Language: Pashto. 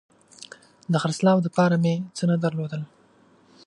د خرڅلاو دپاره مې څه نه درلودل